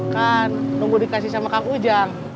kan nunggu dikasih sama kang ujang